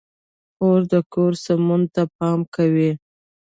خور د کور سمون ته پام کوي.